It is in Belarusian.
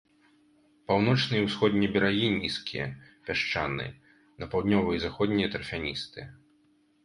Паўночныя і ўсходнія берагі нізкія, пясчаныя, на паўднёвыя і заходнія тарфяністыя.